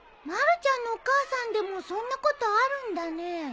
まるちゃんのお母さんでもそんなことあるんだね。